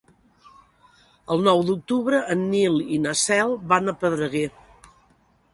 El nou d'octubre en Nil i na Cel van a Pedreguer.